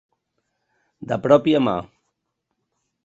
De pròpia mà.